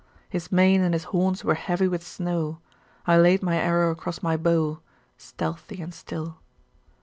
His mane and his horns were heavy with snow; I laid my arrow across my bow, Stealthy and still.